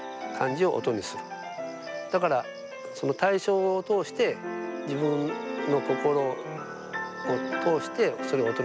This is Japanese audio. だからその対象を通して自分の心を通してそれを音にする。